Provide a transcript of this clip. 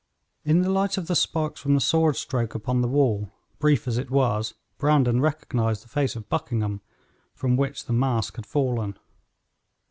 In the light of the sparks from the sword stroke upon the wall, brief as it was, Brandon recognized the face of Buckingham, from which the mask had fallen.